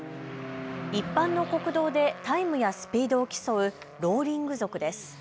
一般の国道でタイムやスピードを競うローリング族です。